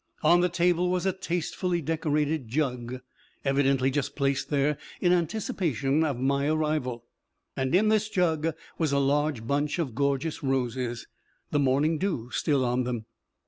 On the table was a tastefully decorated "jug," evidently just placed there in anticipation of my arrival, and in this jug was a large bunch of gorgeous roses, the morning dew still on them.